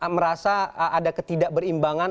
merasa ada ketidakberimbangan